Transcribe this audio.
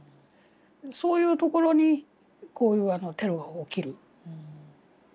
そういうところにこういうテロが起きる。